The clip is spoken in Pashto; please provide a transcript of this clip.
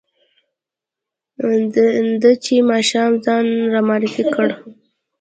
ده چې ماښام ځان را معرفي کړ.